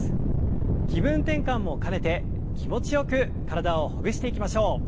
気分転換も兼ねて気持ちよく体をほぐしていきましょう。